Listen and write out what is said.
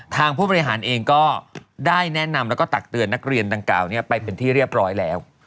ผู้บริหารเองก็ได้แนะนำแล้วก็ตักเตือนนักเรียนดังกล่าวนี้ไปเป็นที่เรียบร้อยแล้ว